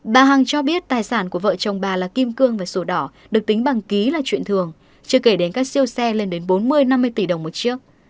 bà hằng cho biết tài sản của vợ chồng bà là kim cương và sổ đỏ được tính bằng ký là chuyện thường chưa kể đến các siêu xe lên đến bốn mươi năm mươi tỷ đồng một chiếc